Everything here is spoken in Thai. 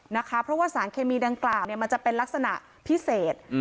นะคะเพราะว่าสารเคมีดังกล่าวเนี้ยมันจะเป็นลักษณะพิเศษอืม